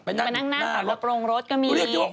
ไปนั่งบนรถโปรงรถก็มีเรียกดีว่า